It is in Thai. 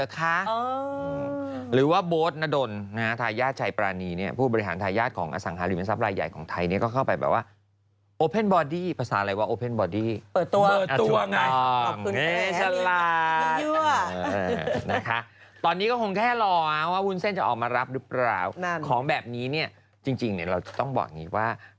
เขาบอกว่าหลังจากพบเมฆเนี่ยเป็นรูปห้าอาราบิกโอ้โหไหนวะ